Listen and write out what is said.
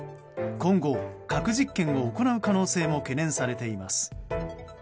今後、核実験を行う可能性も懸念されています。